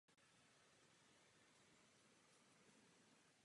Třicet let po jeho smrti ho připomíná socha v životní velikosti před kavárnou.